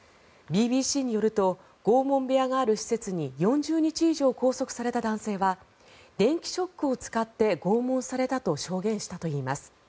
ＢＢＣによると拷問部屋がある施設に４０日以上拘束された男性は電気ショックを使って拷問されたと証言したといいます。